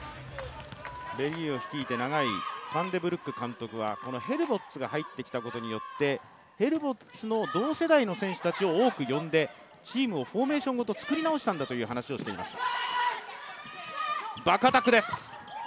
チームを率いて長いファンデブルック監督は、ヘルボッツが入ってきたことによって、ヘルボッツの同世代の選手たちを多く呼んで、選手をフォーメーションごと作り直したんだという話をしていました。